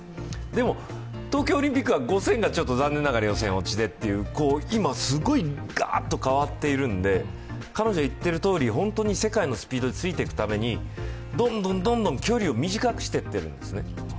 でも、東京オリンピックは５０００が残念ながら予選落ちでという今、すごいガーッと変わっているので、彼女が言っているとおり、本当に世界のスピードについていくためにどんどん距離を短くしていってるんですね。